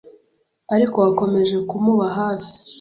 ariko wakomeje kumuba hafi.